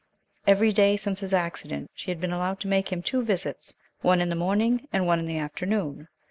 Every day since his accident she had been allowed to make him two visits, one in the morning, and one in the afternoon.